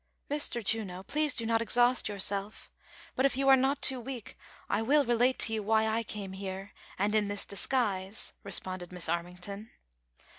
"Mr. Juno, please do not exhaust yourself; but, if you are not too Aveak, I will relate to j^ou why I came here, and in this disguise," responded Miss Armington.